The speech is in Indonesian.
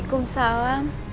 aku sudah berhenti